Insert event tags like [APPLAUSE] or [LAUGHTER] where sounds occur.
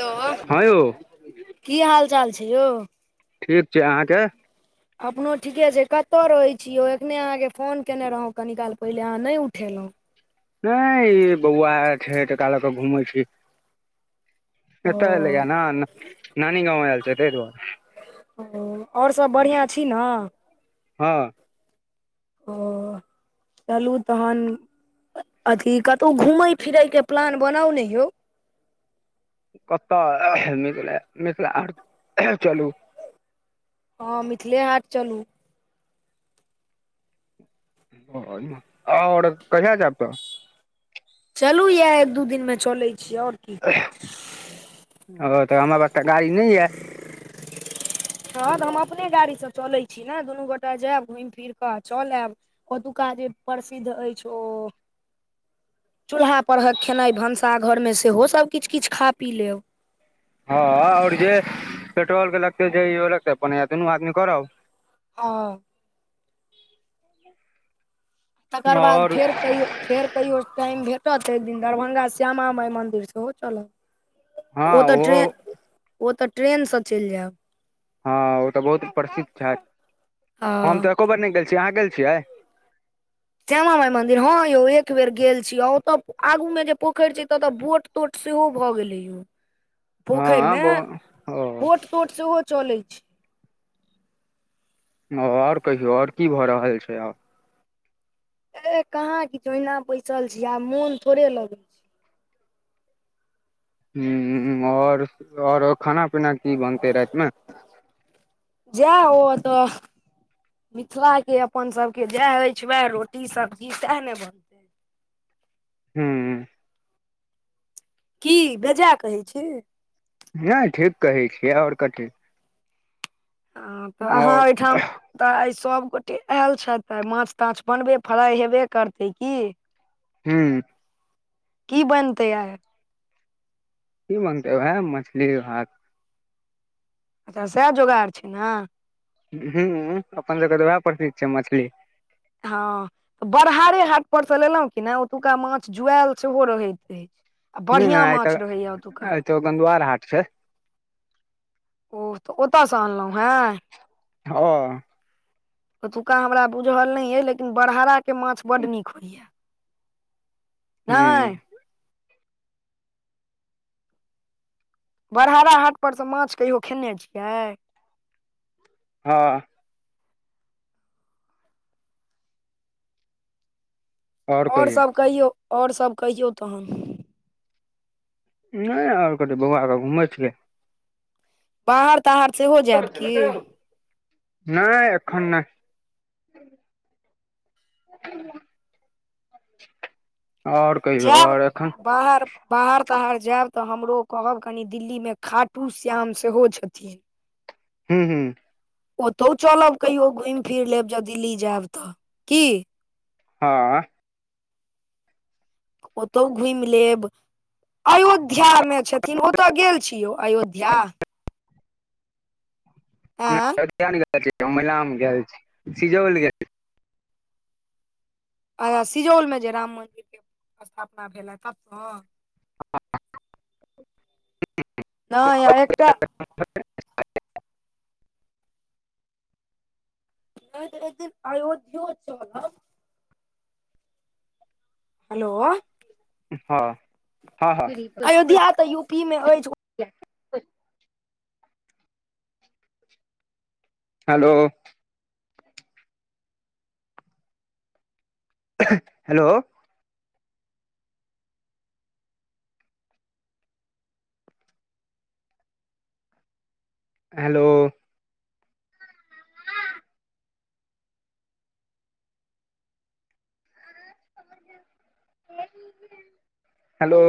Hello हँ यौ की हाल चाल छै यौ। ठीक छै अहाँके। अपनो ठीके छै कतौ रहै छियौ एखने अहाँके फोन कयने रहौँ कनी काल पहिले अहाँ नहि उठेलहुँ। नहि ई बौआ छै तका ले क घूमै छी। एतऽ एल य ओ ने नान गाँव आयल छै ते दुआरे ओ आओर सब बढ़िआँ छी ने। हँ। ओ चलू तहन। अथी कतहु घुमै फिरै के प्लान बनाउ ने यौ। कत मिथिल हाट चलू। हँ मिथिले हाट चलू। आओर कहिा याजाबै तऽ। चलू इएह एक दू दिनमे चलैत छी आओर की। ओ तऽ हमरा पास ते गाड़ी नहि यऽ। हँ तऽ हम अपने गाड़ी से चलैत छी ने दुनू गोटा जायब घुमि फिर कऽ चल आयब ओतुका जे प्रसिद्ध अछि ओ चूल्हा परहक खेनाइ भनसाघर मे सेहो सब किछ किछ खा पी लेब। हँ ओर जे पेट्रोल के लगते जे लगते अपन दुनू आदमी करब। ह। तकर बाद आओर फेर कहियौ फेर कहियओ टाइम भेटत एक दिन दरभंगा श्यामा माइ मन्दिर सेहो हँ चलब ओ तऽ ओहो ट्रेन ओ तऽ ट्रेन सँ चलि जायब। हँ ओ तऽ बहुत प्रसिद्ध छथि हम हँ तऽ एको बेर नय गेल छी अहाँ गेल छियै। श्यामा माइ मंदिर हँं यौ एक बेर गेल छीआ ओतऽ आगू में जे पोखरि छै तऽ ओतऽ बोट तोट सेहो भऽ गेलै य। पोखरि हँ मे ओ ओ बोट तोट सेहो चलैत छै। ओर कहियौ ओर की भऽ रहल छै आब ए कहाँ कीछ ओहिना बैसल छी आब मोन थोड़े लग ह और ओर खाना पीना की बनते राति मे जा ओ तऽ। मिथिला के अपन सबके जएह अछि वएह रोटी सब्जी सएह ने बन हूँ। की बेजा कहै छी। नय ठीक कहै छियै ओर कथी। ह तऽ अहाँ और ओहिठाम ह तऽ आइ सभ गोटे आयल छथि आइ माछ ताछ बनबे फ्राइ हेबे करतै की हू की बनतै आइ। की बनते वएह मछली भात। अच्छा सएह जोगाड़ार छै न ह अपन सबके तऽ उएह प्रसिद्ध छै मछली। हँ बरहारे हाट पर से लेलहुँ कि नय ओतुका माछ जुआएल सेहो रहैत रहै छै आ ह बढ़िआं आइ माछ तऽ रहैएा ओतुका आइ तऽ गंधुआर हाट छै ओ ओत सँ अनलहुँं ह हाँ ओतुक्का हमरा बुझल नय अइ लेकिन बरहहारा के माछ बड्ड नीक होइए ह नय बरहराा हाट पर तऽ माछ कहियो खेने छियै हँ ओर सब कहियौ ओर सब कहियौ तहन नय आओर कथी बौआ क घूमै छैये बहाड़ तहाहाड़ सेहो जायब की नय एखन नय ओर कहियौ जायब ओर एखन बाहर बाहर ताहर जायब तऽ हमरो कहब कनि दिल्ली मे खाटू श्याम सेहो छथिन हू हूँ ओतौ चलब कहियो घुमि फिर लेब जब दिल्ली जायब तऽ की हँ ओतो घुमि लेब अयोध्या मे छथिन ओत गेल छियौ अयोध्या अयोध्य गेल छी मलाम गेल छी सिजौल गेल सिजौल मे जे राम मन्दिर के स्थापना भेले तत [INAUDIBLE] नय आ एकटा [INAUDIBLE] नहि त अयोध्यो चलब हेलो हँ हँ अयोध्या तऽ यूपी मे अछि हेलो हेलो हेलो हेलो